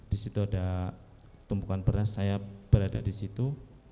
di situ ada tumpukan beras saya berada di situ